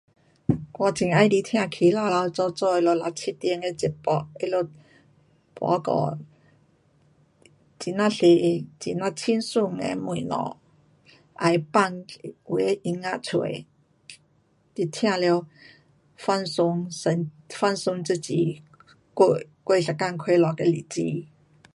我很喜欢听早起头早早他们六七点的节目，他们报告很呐多，很呐轻松的东西，也会放有的音乐出，你听了放松神，放松自己过，过一天快乐的日子。